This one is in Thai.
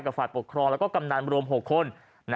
ฝ่ายปกครองแล้วก็กำนันรวม๖คน